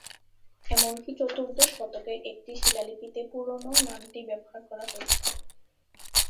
এমনকি চতুর্দশ শতকের একটি শিলালিপিতে পুরনো নামটিই ব্যবহার করা হয়েছে।